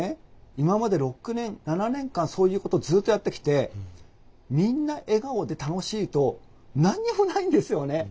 今まで６年７年間そういうことずっとやってきてみんな笑顔で楽しいと何にもないんですよね。